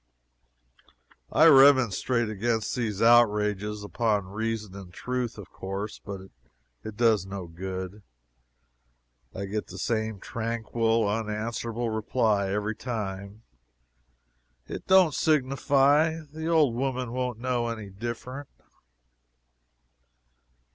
I remonstrate against these outrages upon reason and truth, of course, but it does no good. I get the same tranquil, unanswerable reply every time: "It don't signify the old woman won't know any different."